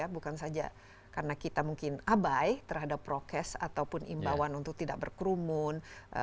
bukan saja karena kita mungkin abai terhadap prokes ataupun imbauan untuk tidak berkerumun